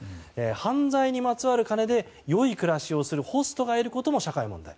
犯罪にまつわる金で良い暮らしをするホストがいることも社会の問題。